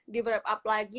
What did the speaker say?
di wrap up lagi